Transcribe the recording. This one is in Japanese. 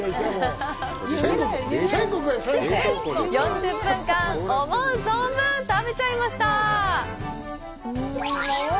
４０分間、思う存分、食べちゃいました！